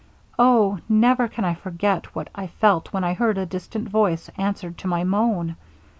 Oh! never can I forget what I felt, when I heard a distant voice answered to my moan!